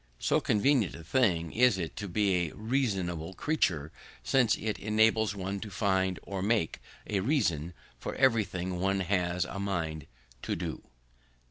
So convenient a thing is it to be a reasonable creature, since it enables one to find or make a reason for everything one has a mind to do.